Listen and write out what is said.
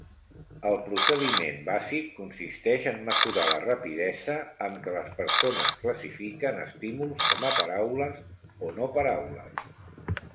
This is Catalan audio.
El procediment bàsic consisteix en mesurar la rapidesa amb què les persones classifiquen estímuls com a paraules o no paraules.